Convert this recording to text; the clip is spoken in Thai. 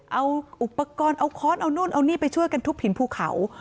เอาอุปกรณ์เอาค้อนเอานู่นเอานี่ไปช่วยกันทุบหินภูเขา